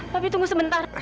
papi tunggu sebentar